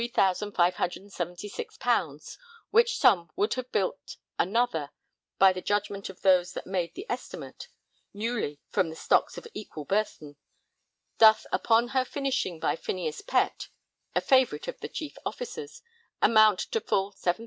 _, which sum would have built another (by the judgment of those that made the estimate) newly from the stocks of equal burthen, doth upon her finishing by Phineas Pett (a favourite of the chief officers) amount to full 7600_l.